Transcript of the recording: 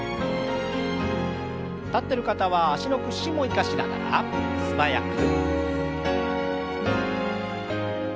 立ってる方は脚の屈伸も生かしながら素早く。